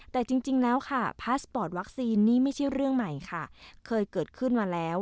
แต่จริงแล้วค่ะพาสปอร์ตวัคซีนนี่ไม่ใช่เรื่องใหม่ค่ะเคยเกิดขึ้นมาแล้ว